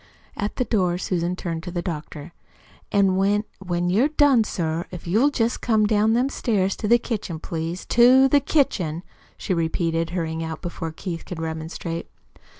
At the door Susan turned to the doctor. "An' when when you're done, sir, if you'll jest come down them stairs to the kitchen, please TO THE KITCHEN," she repeated, hurrying out before Keith could remonstrate.